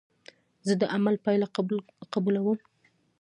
زه د عمل پایله قبلوم.